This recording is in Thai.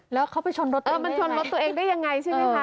แล้วเขาไปชนรถตัวเองได้ยังไงเออมันชนรถตัวเองได้ยังไงใช่ไหมคะ